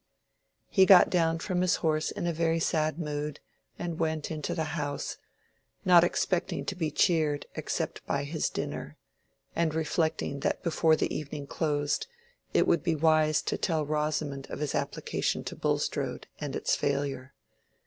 He got down from his horse in a very sad mood, and went into the house, not expecting to be cheered except by his dinner, and reflecting that before the evening closed it would be wise to tell Rosamond of his application to Bulstrode and its failure.